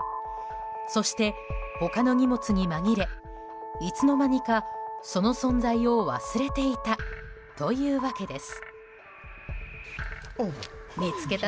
そして、他の荷物に紛れいつの間にかその存在を忘れていたというわけです。